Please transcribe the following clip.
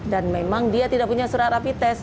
dan memang dia tidak punya surat rapi tes